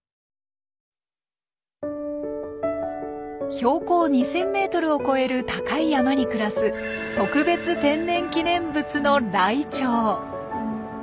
標高２，０００ｍを超える高い山に暮らす特別天然記念物のライチョウ。